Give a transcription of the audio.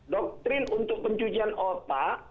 doktrin untuk pencucian otak